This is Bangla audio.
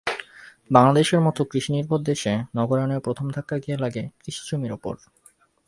বাংলাদেশের মতো কৃষিনির্ভর দেশে নগরায়ণের প্রথম ধাক্কা গিয়ে লাগে কৃষি জমির ওপর।